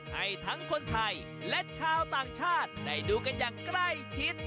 ให้ทั้งคนไทยและชาวต่างชาติได้ดูกันอย่างใกล้ชิด